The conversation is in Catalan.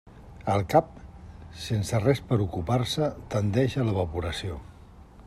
El cap, sense res per a ocupar-se, tendeix a l'evaporació.